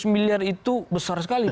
lima ratus miliar itu besar sekali